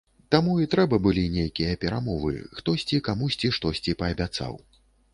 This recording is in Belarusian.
Таму і трэба былі нейкія перамовы, хтосьці камусьці штосьці паабяцаў.